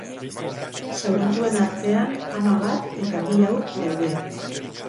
Zaurituen artean ama bat eta bi haur daude.